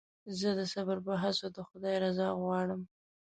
زه د صبر په هڅو د خدای رضا غواړم.